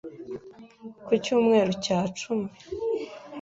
ku cyumweru cya cumi